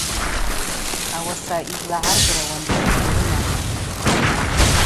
Ауаса йызлагӏаргра уандыр гьрымамызтӏ.